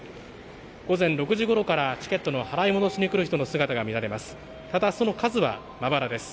午前６時ごろからチケットの払い戻しに来る人の姿が見られます。